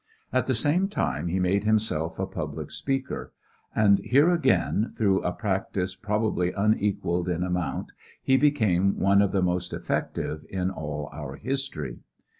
At the same time he made himself a public speaker, and here again, through a practice probably unequaled in amount, he became one of the most effective in all our history.